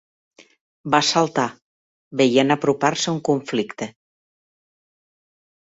Va saltar, veient apropar-se un conflicte.